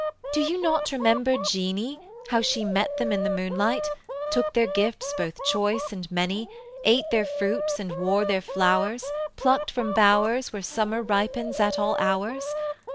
Do you not remember Jeanie, How she met them in the moonlight, Took their gifts both choice and many, Ate their fruits and wore their flowers Plucked from bowers Where summer ripens at all hours?